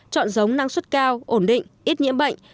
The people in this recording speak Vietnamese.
chọn giống năng suất cao ổn định ít nhiễm bệnh